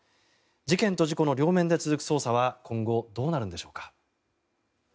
事件と事故の両面で続く捜査は今後どうなるのでしょうか。